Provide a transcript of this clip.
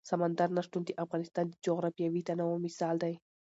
سمندر نه شتون د افغانستان د جغرافیوي تنوع مثال دی.